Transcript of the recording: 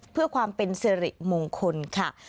เพื่อความเป็นสิริมงคลค่ะ